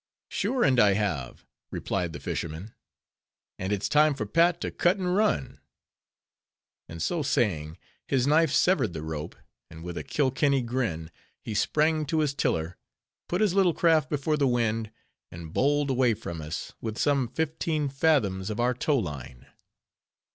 "Sure and I have," replied the fisherman, "and it's time for Pat to cut and run!" and so saying, his knife severed the rope, and with a Kilkenny grin, he sprang to his tiller, put his little craft before the wind, and bowled away from us, with some fifteen fathoms of our tow line.